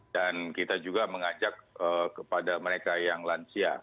dan kita juga mengajak kepada mereka yang lansia